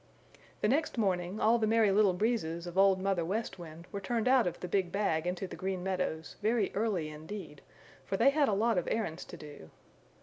The next morning all the Merry Little Breezes of Old Mother West Wind were turned out of the big bag into the Green Meadows very early indeed, for they had a lot of errands to do.